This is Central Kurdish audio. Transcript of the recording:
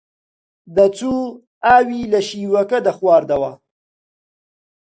دەچوو ئاوی لە شیوەکە دەخواردەوە